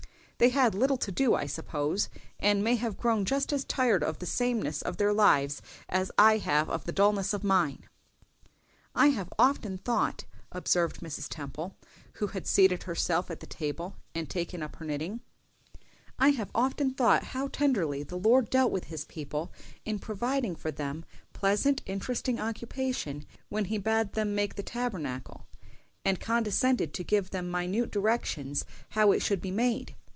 They had little to do, I suppose, and may have grown just as tired of the sameness of their lives as I have of the dulness of mine." "I have often thought," observed Mrs. Temple, who had seated herself at the table and taken up her knitting—"I have often thought how tenderly the Lord dealt with his people in providing for them pleasant, interesting occupation when He bade them make the Tabernacle, and condescended to give them minute directions how it should be made.